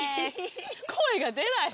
声が出ない。